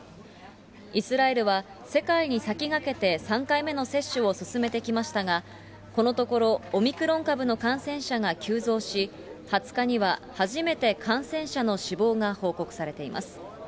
イスラエルは世界に先駆けて３回目の接種を進めてきましたが、このところ、オミクロン株の感染者が急増し、２０日には初めて感染者の死亡が報告されています。